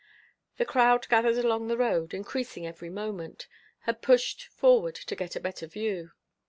The crowd gathered along the road, increasing every moment, had pushed forward to get a better view.